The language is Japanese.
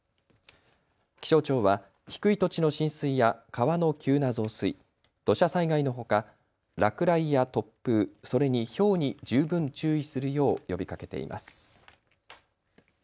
気象庁は低い土地の浸水や川の急な増水、土砂災害のほか落雷や突風、それにひょうに十分注意するよう呼びかけています。